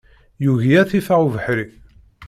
Yugi ad t-iffeɣ ubeḥri.